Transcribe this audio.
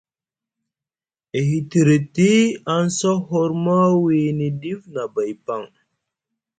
E hitriti aŋ sa hormo wiini ɗif nʼabay paŋ,